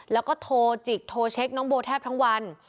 แล้วก็โทรจิกโทรเช็คน้องโบแทบทั้งวัน